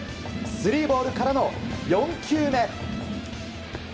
スリーボールからの４球目。